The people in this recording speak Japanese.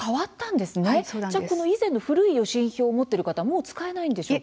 では以前の古い予診票を持っている方はもう使えないでしょうか。